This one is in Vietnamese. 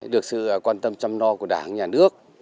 được sự quan tâm chăm lo của đảng nhà nước